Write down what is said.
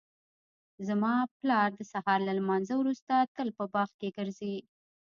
زما پلار د سهار له لمانځه وروسته تل په باغ کې ګرځي